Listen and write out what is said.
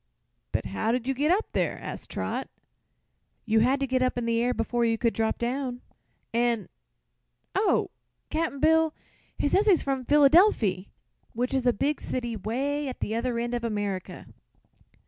"But how did you get up there?" asked Trot. "You had to get up in the air before you could drop down, an' oh, Cap'n Bill! he says he's from Phillydelfy, which is a big city way at the other end of America."